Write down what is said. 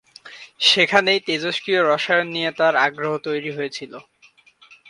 সেখানেই তেজষ্ক্রিয়-রসায়ন নিয়ে তাঁর আগ্রহ তৈরি হয়েছিল।